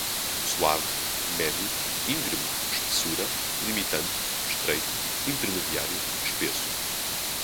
suave, médio, íngreme, espessura, limitante, estreito, intermediário, espesso